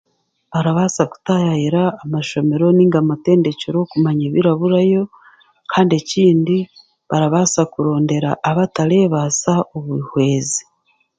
Arabaasa kutaayayira amashomero nainga amatendekyero kumanya ebiraburayo kandi ekindi barabaasa kurondera abateebaasa obuhwezi